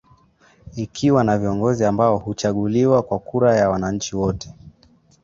ikiwa na viongozi ambao huchaguliwa kwa kura ya wananchi wote